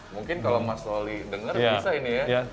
mungkin kalau mas loli dengar bisa ini ya